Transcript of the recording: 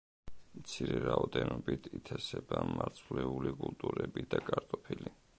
მცირე რაოდენობით ითესება მარცვლეული კულტურები და კარტოფილი.